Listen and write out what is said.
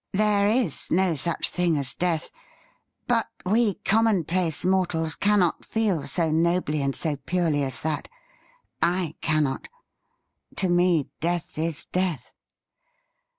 There is no such thing as death ; but we commonplace mortals cannot feel so nobly and so piurely as that. I cannot. To me death is death.'